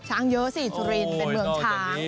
ช้างเยอะสิซูรินเป็นเมืองช้าง